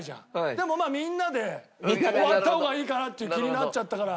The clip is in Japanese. でもまあみんなで終わった方がいいかなって気になっちゃったから。